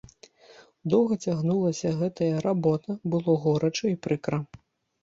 Доўга цягнулася гэтая работа, было горача і прыкра.